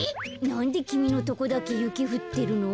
なんできみのとこだけゆきふってるの？